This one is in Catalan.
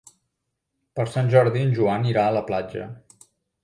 Per Sant Jordi en Joan irà a la platja.